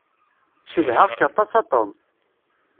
Cedheɣ-k aṭas a Tom.